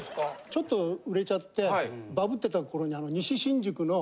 ちょっと売れちゃってバブッてた頃に。